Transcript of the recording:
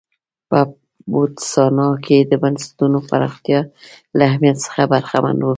په بوتسوانا کې د بنسټونو پراختیا له اهمیت څخه برخمن و.